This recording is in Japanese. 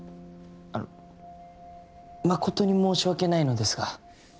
あの誠に申し訳ないのですが。